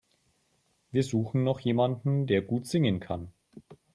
Wir suchen noch jemanden, der gut singen kann.